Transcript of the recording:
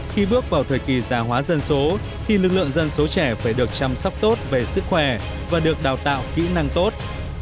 khi bước vào thời kỳ già hóa dân số thì lực lượng dân số trẻ phải được chăm sóc tốt về sức khỏe và được đào tạo kỹ năng tốt